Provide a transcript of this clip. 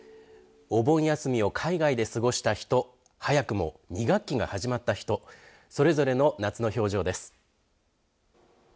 お盆休みを海外で過ごした人早くも２学期が始まった人それぞれの夏の表情です。